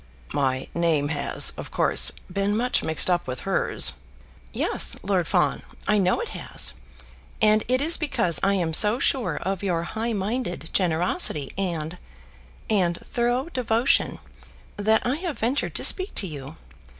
"My name has, of course, been much mixed up with hers." "Yes, Lord Fawn, I know it has. And it is because I am so sure of your high minded generosity and and thorough devotion, that I have ventured to speak to you.